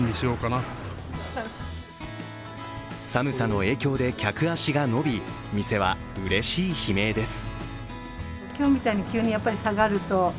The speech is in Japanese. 寒さの影響で客足が伸び、店はうれしい悲鳴です。